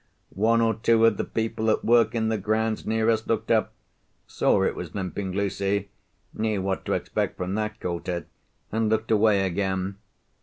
One or two of the people at work in the grounds near us looked up—saw it was Limping Lucy—knew what to expect from that quarter—and looked away again.